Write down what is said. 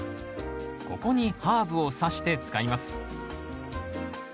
ここにハーブをさして使います。